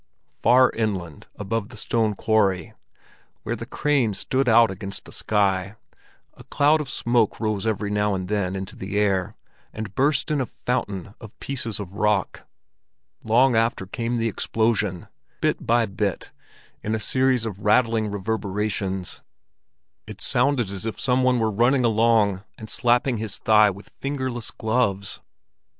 Far inland above the stone quarry, where the cranes stood out against the sky, a cloud of smoke rose every now and then into the air, and burst in a fountain of pieces of rock. Long after came the explosion, bit by bit in a series of rattling reverberations. It sounded as if some one were running along and slapping his thigh with fingerless gloves.